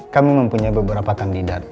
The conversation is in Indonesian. kami mempunyai beberapa kandidat